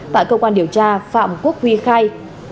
tại cơ quan điều tra phạm quốc quy khai